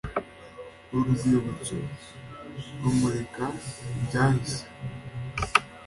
uru rwibutso rumurika ibyahise,